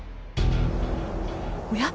おや？